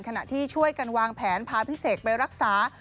ขณะที่ช่วยกันวางแผนพาพี่เสกไปรักษา